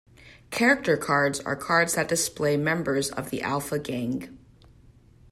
Character Cards are cards that display members of the Alpha Gang.